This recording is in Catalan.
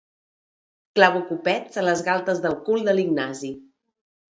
Clavo copets a les galtes del cul de l'Ignasi.